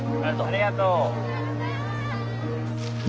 ありがとう。